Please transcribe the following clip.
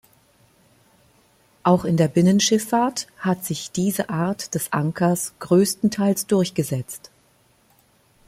Auch in der Binnenschifffahrt hat sich diese Art des Ankers größtenteils durchgesetzt.